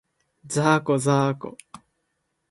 ざーこ、ざーこ